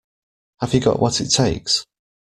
Have you got what it takes?